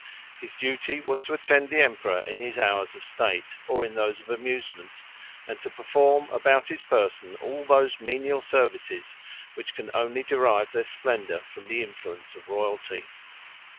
His duty was to attend the emperor in his hours of state, or in those of amusement, and to perform about his person all those menial services, which can only derive their splendor from the influence of royalty.